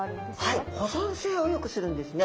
はい保存性をよくするんですね。